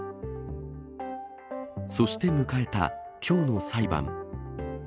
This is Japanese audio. そして迎えたきょうの裁判。